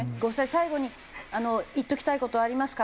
最後に言っておきたい事ありますか？